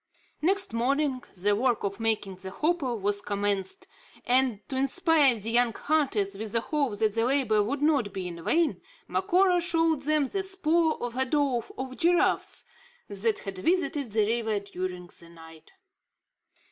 Next morning, the work of making the hopo was commenced; and to inspire the young hunters with the hope that the labour would not be in vain, Macora showed them the spoor of a drove of giraffes that had visited the river during the night.